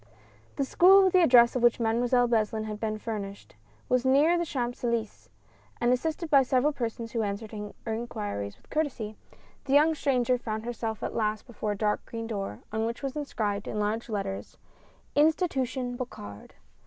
T he school with the address of which Mademoiselle Beslin had been furnished, was near the Champs Elysees ; and assisted by several persons who answered her inquiries with courtesy, the young stranger found herself at last before a dark green door, on which was inscribed in large letters, INSTITUTION BOCARD.